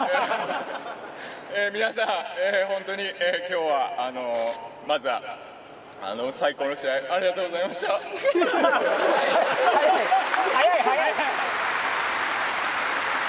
皆さん、本当にきょうはまずは最高の試合、ありがとうございま早い早い。